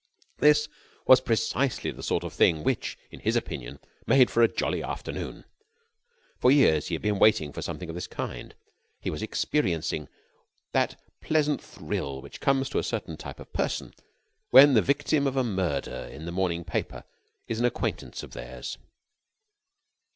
This was precisely the sort of thing which, in his opinion, made for a jolly afternoon. For years he had been waiting for something of this kind. He was experiencing that pleasant thrill which comes to a certain type of person when the victim of a murder in the morning paper is an acquaintance of theirs.